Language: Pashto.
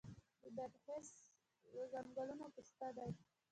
د بادغیس ځنګلونه پسته دي